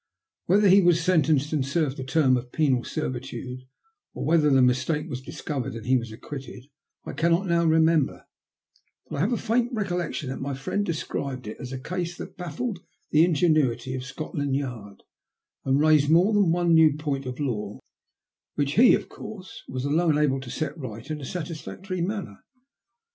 Whether he was sentenced and served a term of penal servitude, or whether the mistake was discovered and he was acquitted, I cannot now remember ; but I have a faint recollection that my friend described it as a case that baffled the ingenuity of Scotland Yard, and raised more than one new point of law, which he, of course, was alone able to set right in a satisfactory manner.